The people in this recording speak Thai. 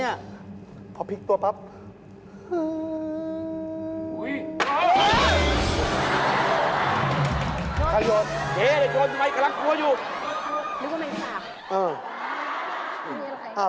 เพียงใครครับอ๋อแล้วเรื่องกูแล้ว